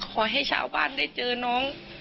ขอให้ชาวบ้านได้เจอน้อง